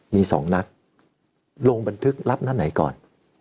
มี๒นัดลงบันทึกรับนัดไหนก่อน